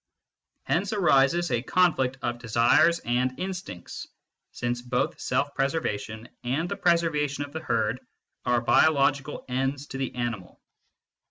Hence arises a conflict of desires and instincts, since both self preservation and the preservation of the herd are biological ends to the individual.